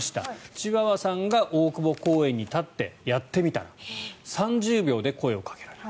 チワワさんが大久保公園に立ってやってみたら３０秒で声をかけられた。